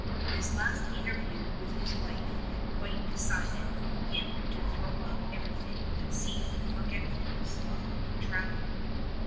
His last interview with his wife had quite decided him to throw up everything and seek forgetfulness in travel.